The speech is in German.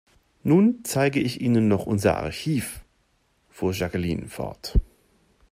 Nun zeige ich Ihnen noch unser Archiv, fuhr Jacqueline fort.